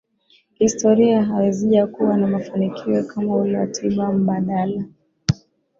kihistoria hazijakuwa na mafanikio kama ule wa tiba mbadala